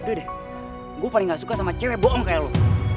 udah deh gue paling gak suka sama cewek bom kayak lo